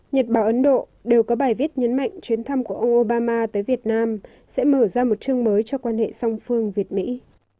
nhật bản ấn độ đều có bài viết nhấn mạnh chuyến thăm của ông obama tới việt nam sẽ mở ra một chương mới cho quan hệ song phương việt mỹ